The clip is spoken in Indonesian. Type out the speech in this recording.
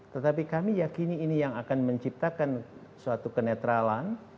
tetapi kami yakini ini yang akan menciptakan suatu kenetralan